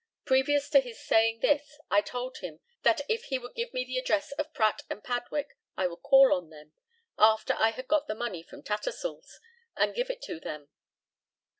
Previous to his saying this, I told him that if he would give me the address of Pratt and Padwick, I would call on them, after I had got the money from Tattersall's, and give it to them.